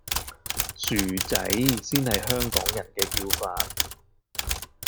薯仔先係香港人叫法